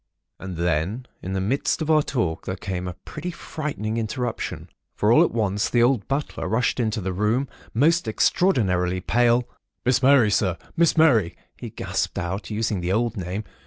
And then in the midst of our talk there came a pretty frightening interruption; for all at once the old butler rushed into the room, most extraordinarily pale:— "'Miss Mary, Sir! Miss Mary, Sir!' he gasped out, using the old name.